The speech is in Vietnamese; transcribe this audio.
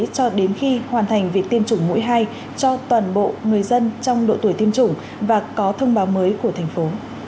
cho đến khi hoàn thành việc tiêm chủng mũi hai cho toàn bộ người dân trong độ tuổi tiêm chủng và có thông báo mới của thành phố